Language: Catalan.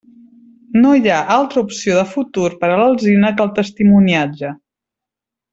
No hi ha altra opció de futur per a l'alzina que el testimoniatge.